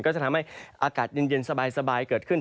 ก็จะทำให้อากาศเย็นสบายเกิดขึ้น